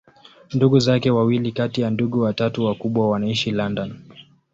Ndugu zake wawili kati ya ndugu watatu wakubwa wanaishi London.